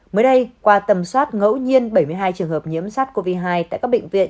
mới đây qua tầm soát ngẫu nhiên bảy mươi hai trường hợp nhiễm sát covid một mươi chín tại các bệnh viện